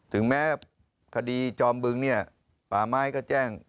ถึงแม้คดีจอมบึงเนี่ยป่าไม้ก็แจ้ง